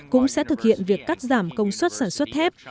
cũng sẽ thực hiện việc cắt giảm công suất sản xuất thép